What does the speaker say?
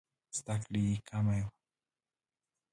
زده کړې یې کمه وه.